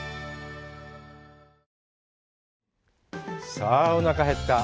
さあ、おなか減った。